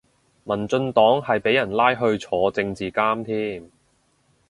民進黨係俾人拉去坐政治監添